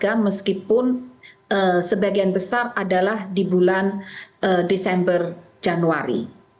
meskipun sebagian besar adalah di bulan desember januari